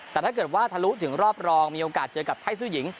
แต่ถ้าเกิดว่าทะลุถึงรอบรองมีโอกาสเจอกับไทยซื่อหญิง